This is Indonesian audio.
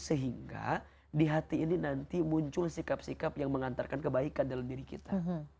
sehingga di hati ini nanti muncul sikap sikap yang mengantarkan kebaikan dalam diri kita